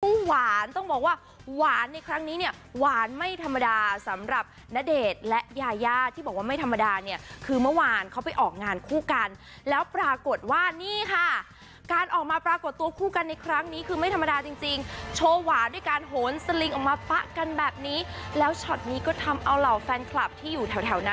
หวานต้องบอกว่าหวานในครั้งนี้เนี่ยหวานไม่ธรรมดาสำหรับณเดชน์และยายาที่บอกว่าไม่ธรรมดาเนี่ยคือเมื่อวานเขาไปออกงานคู่กันแล้วปรากฏว่านี่ค่ะการออกมาปรากฏตัวคู่กันในครั้งนี้คือไม่ธรรมดาจริงจริงโชว์หวานด้วยการโหนสลิงออกมาปะกันแบบนี้แล้วช็อตนี้ก็ทำเอาเหล่าแฟนคลับที่อยู่แถวนั้น